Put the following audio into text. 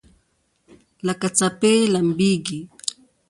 لکه څپې لمبیږي